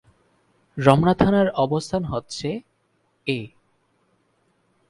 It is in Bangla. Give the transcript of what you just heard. রমনা থানার অবস্থান হচ্ছে -এ।